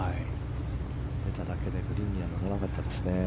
出ただけでグリーンには乗らなかったですね。